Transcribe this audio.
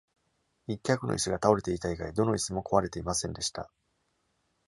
一脚の椅子が倒れていた以外、どの椅子も壊れていませんでした。